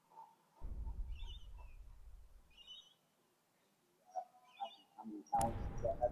যে কেহ তাঁহার সংস্পর্শে আসে, সে-ই পবিত্র হইয়া যায়।